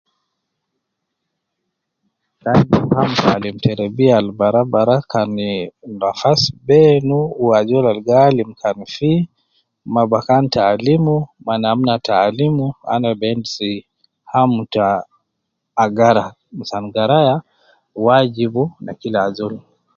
Alim terebiya Al baraa baraa kan ii nafas beenu Wu ajol Al gi alim kan fii ma bakan ta alimu ma bakan ta alimu an bi endis hamu ta agara san garaya wajibu na kika azol.